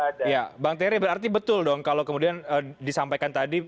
iya bang terry berarti betul dong kalau kemudian disampaikan tadi